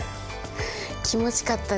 気持ちかったです